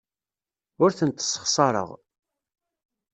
Ur tent-ssexṣareɣ.